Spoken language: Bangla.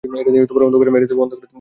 এটা দিয়ে অন্ধকারে তুমি দেখতে পারবে।